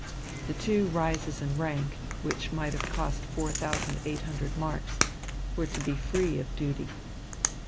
The two rises in rank, which might have cost four thousand eight hundred marks, were to be free of duty.